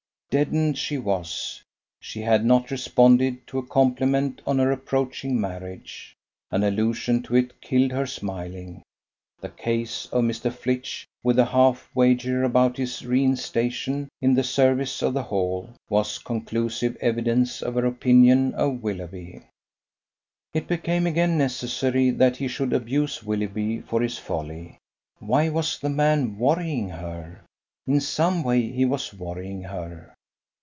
Deadened she was: she had not responded to a compliment on her approaching marriage. An allusion to it killed her smiling. The case of Mr. Flitch, with the half wager about his reinstation in the service of the Hall, was conclusive evidence of her opinion of Willoughby. It became again necessary that he should abuse Willoughby for his folly. Why was the man worrying her? In some way he was worrying her.